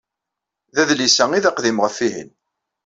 Adlis-a i d aqdim ɣef wihin.